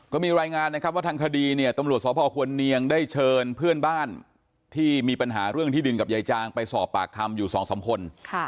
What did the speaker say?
ก็มีรายงานนะครับว่าทางคดีเนี่ยตำรวจสพควรเนียงได้เชิญเพื่อนบ้านที่มีปัญหาเรื่องที่ดินกับยายจางไปสอบปากคำอยู่๒๓คน